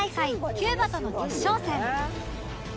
キューバとの決勝戦